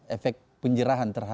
efek penjeraan terhadap